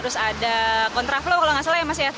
terus ada kontra flow kalau gak salah ya mas ya